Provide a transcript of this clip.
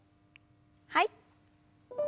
はい。